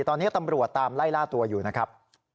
ตอนนี้ตำรวจตามไล่ล่าตัวอยู่นะครับ